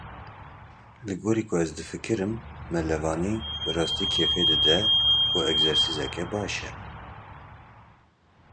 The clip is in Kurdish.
Li gorî ku ez difikirim mêlevanî bi rastî kêfê dide û egzersîzeke baş e.